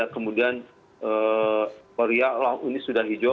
kemudian koriak laun ini sudah hijau